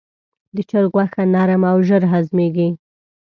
د چرګ غوښه نرم او ژر هضمېږي.